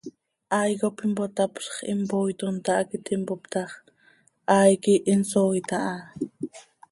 Hai cop impotapzx, impooitom, tahac iti mpoop ta x, hai quih insooit aha.